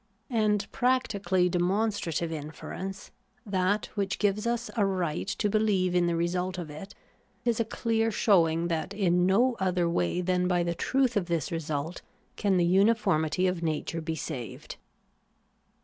And practically demonstrative infer ence — that which gives us a right to believe in the result of it — is a clear showing that in no other way VOL. II. p 210 THE ETHICS OF BELIEF. than by tlie truth of this result can the uniformity of nature be saved.